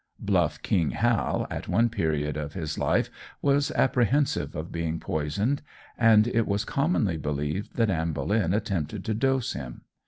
Bluff King Hal at one period of his life was apprehensive of being poisoned, and it was commonly believed that Anne Boleyn attempted to dose him.